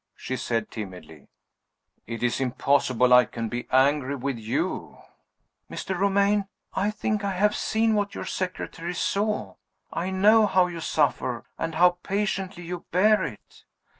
she said timidly. "It is impossible I can be angry with you!" "Mr. Romayne, I think I have seen what your secretary saw. I know how you suffer, and how patiently you bear it."